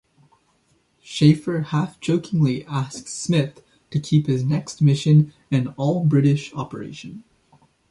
Schaffer half-jokingly asks Smith to keep his next mission "an all-British operation".